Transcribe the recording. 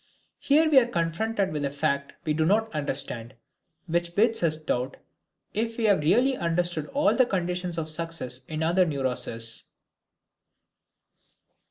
Here we are confronted with a fact we do not understand, which bids us doubt if we have really understood all the conditions of success in other neuroses.